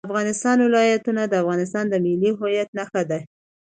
د افغانستان ولايتونه د افغانستان د ملي هویت نښه ده.